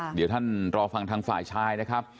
เดี๋ยวท่านรอฟังทางฝ่ายชายนะครับ